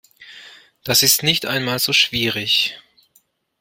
Das ist nicht einmal so schwierig.